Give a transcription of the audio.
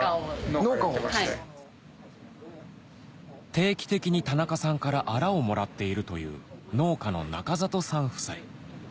定期的に田中さんからアラをもらっているという農家の中里さん夫妻